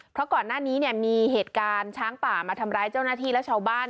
เพราะก่อนหน้านี้เนี่ยมีเหตุการณ์ช้างป่ามาทำร้ายเจ้าหน้าที่และชาวบ้าน